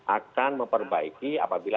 akan memperbaiki apabila